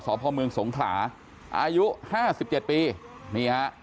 พ่อเมืองสงขลาอายุห้าสิบเจ็ดปีนี่ฮะ